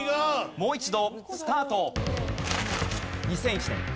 もう一度スタート。